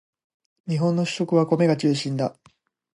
日本の主食は米が中心だ